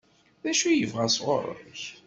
D acu i yebɣa sɣur-k?